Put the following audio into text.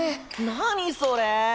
何それ？